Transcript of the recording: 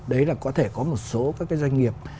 đấy là có thể có một số các cái doanh nghiệp